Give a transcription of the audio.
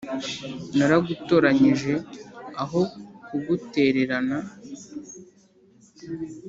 naragutoranyije, aho kugutererana.»